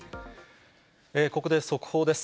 ここで速報です。